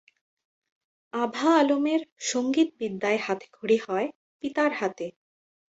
আভা আলমের সঙ্গীতবিদ্যায় হাতেখড়ি হয় পিতার কাছে।